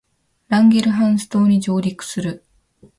ランゲルハンス島に上陸する